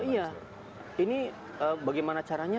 iya ini bagaimana caranya